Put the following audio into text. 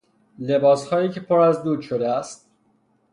لباسهایی که پر از دود شده است